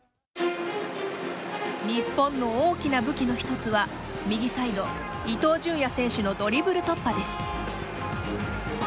日本の大きな武器の一つは右サイド・伊東純也選手のドリブル突破です。